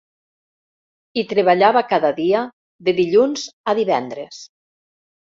Hi treballava cada dia, de dilluns a divendres